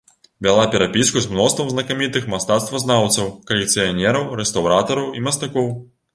Вяла перапіску з мноствам знакамітых мастацтвазнаўцаў, калекцыянераў, рэстаўратараў і мастакоў.